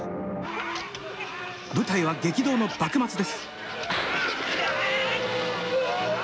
舞台は激動の幕末です。